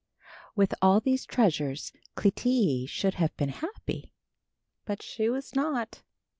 With all these treasures Clytie should have been happy, but she was not.